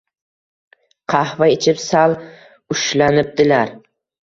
Qahva ichib sal ushlanibdilar